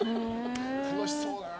楽しそうだな。